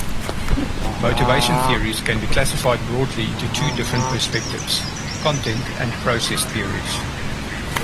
Motivation theories can be classified broadly into two different perspectives: Content and Process theories.